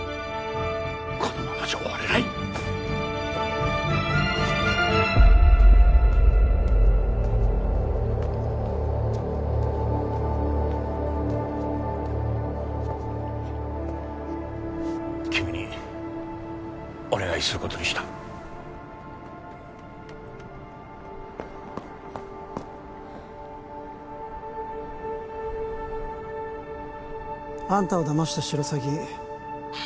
このままじゃ終われない君にお願いすることにしたあんたをだましたシロサギ